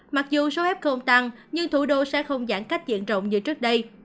mặc dù số f tăng nhưng thủ đô sẽ không giãn cách diện rộng như trước đây